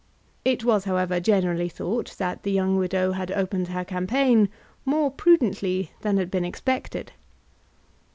It was, however, generally thought that the young widow opened her campaign more prudently than had been expected.